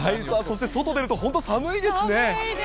さあ、そして外出ると本当に寒いですね。